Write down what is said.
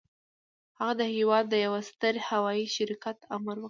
هغه د هېواد د يوه ستر هوايي شرکت آمر و.